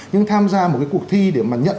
nhưng tham gia một cái cuộc thi để mà nhận